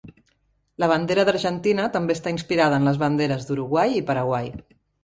La bandera d"Argentina també està inspirada en les banderes d"Uruguai i Paraguai.